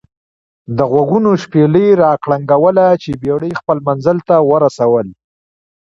دغوږونو شپېلۍ را کرنګوله چې بېړۍ خپل منزل ته ورسول.